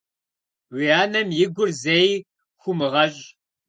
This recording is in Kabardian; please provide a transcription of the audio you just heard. Уи анэм и гур зэи хумыгъэщӏ.